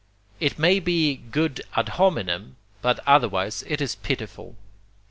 It may be good ad hominem, but otherwise it is pitiful.